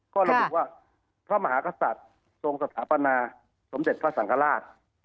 ก็ระบุว่าพระมหากษัตริย์ทรงสถาปนาสมเด็จพระสังฆราช